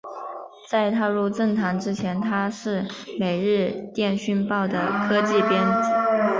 在踏入政坛之前他是每日电讯报的科技编辑。